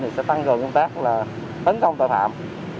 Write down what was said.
thì sẽ tăng cường công tác là tấn công tội phạm